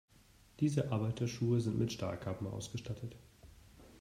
Diese Arbeiterschuhe sind mit Stahlkappen ausgestattet.